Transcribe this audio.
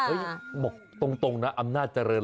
บอกตรงนะอำนาจเจริญ